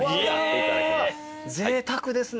ぜいたくですね。